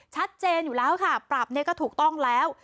ชัดเจนอยู่แล้วค่ะปรับเนี่ยก็ถูกต้องแล้ว